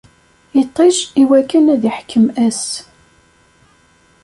Iṭij iwakken ad iḥkem ass.